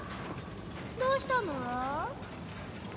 どうしたの？